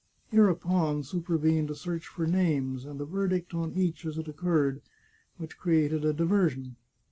Hereupon supervened a search for names, and a verdict on each as it occurred, which created a diversion.